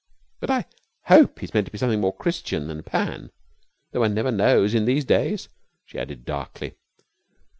But I hope he's meant to be something more Christian than Pan, though one never knows in these days," she added darkly.